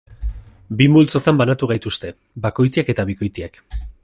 Bi multzotan banatu gaituzte: bakoitiak eta bikoitiak.